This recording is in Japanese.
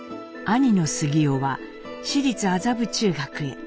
兄の杉男は私立麻布中学へ。